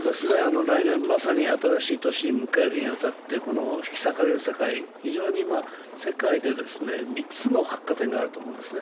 来年、まさに新しい年を迎えるに当たって引き裂かれる世界、非常に今世界で３つの発火点があると思うんですね